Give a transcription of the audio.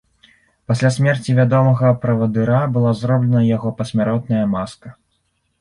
Пасля смерці вядомага правадыра была зроблена яго пасмяротная маска.